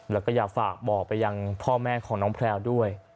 แล้วก็อยากฝากบอกไปยังพ่อแม่ของน้องแพลวด้วย